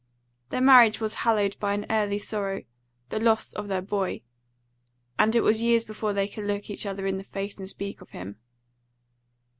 Their marriage was hallowed by an early sorrow: they lost their boy, and it was years before they could look each other in the face and speak of him.